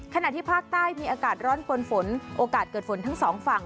ขณะที่ภาคใต้มีอากาศร้อนปนฝนโอกาสเกิดฝนทั้งสองฝั่ง